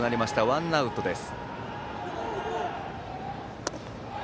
ワンアウトです。